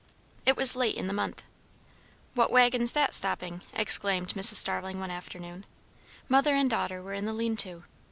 It was late in the month. "What waggon's that stopping?" exclaimed Mrs. Starling one afternoon. Mother and daughter were in the lean to.